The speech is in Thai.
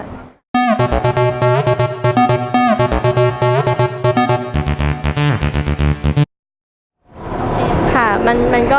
มันก็จะสามารถเคลื่อนไหวหรือมันมันจะไม่ติดแบบนี้นะครับ